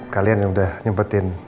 kalian yang udah nyempetin